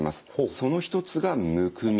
その一つがむくみ。